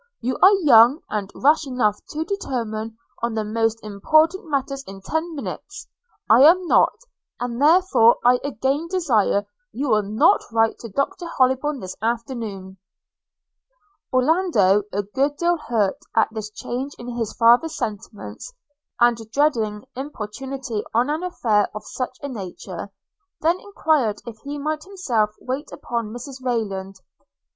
You are young, and rash enough to determine on the most important matters in ten minutes – I am not; and therefore I again desire you will not write to Dr Hollybourn this afternoon.' Orlando, a good deal hurt at this change in his father's sentiments, and dreading importunity on an affair of such a nature, then enquired if he might himself wait upon Mrs Rayland?